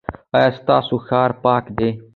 ایا ستاسو ښار پاک دی؟